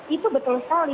itu betul sekali